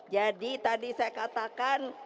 jadi tadi saya katakan